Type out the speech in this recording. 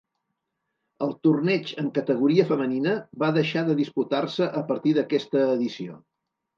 El torneig en categoria femenina va deixar de disputar-se a partir d'aquesta edició.